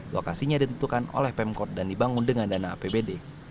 lokasinya ditentukan oleh pemkot dan dibangun dengan dana apbd